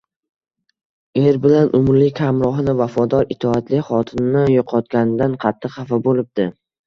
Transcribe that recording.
Er bir umrlik hamrohini, vafodor, itoatli xotinini yo‘qotganidan qattiq xafa bo‘libdi.